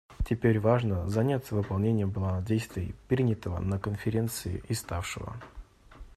Теперь важно заняться выполнением плана действий, принятого на Конференции и ставшего.